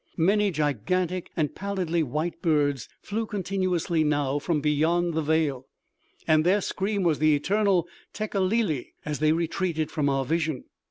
Many gigantic and pallidly white birds flew continuously now from beyond the veil, and their scream was the eternal _Tekeli li!_as they retreated from our vision.